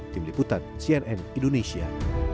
tim liputan cnn indonesia